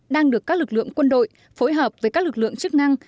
đang được các lực lượng quân đội phối hợp với các lực lượng chức năng